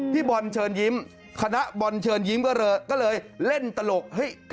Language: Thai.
พี่บอลเชิญยิ้มคณะบอลเชิญยิ้มก็เลยเล่นตลก